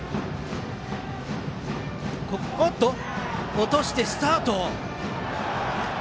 落としてスタート。